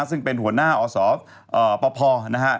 ซึ่งเป็นหัวหน้าอสปพนะฮะ